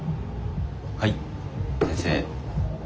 はい先生。